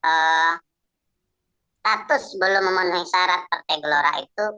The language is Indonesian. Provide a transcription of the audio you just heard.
status belum memenuhi syarat partai gelora itu